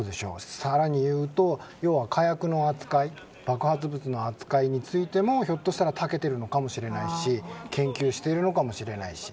更にいうと、火薬の扱い爆発物の扱いについてもひょっとしたら長けているのかもしれないし研究しているのかもしれないし。